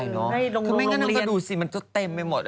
ให้ลงโรงเรียนคือไม่งั้นต้องกระดูกสิมันก็เต็มไปหมด